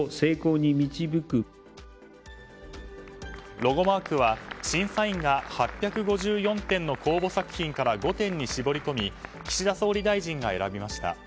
ロゴマークは審査員が８５４点の公募作品から５点に絞り込み岸田総理大臣が選びました。